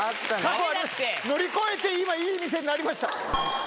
乗り越えて、今、いい店になりました。